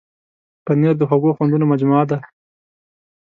پنېر د خوږو خوندونو مجموعه ده.